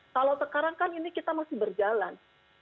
kalau sekarang kan ini kita masih berjalan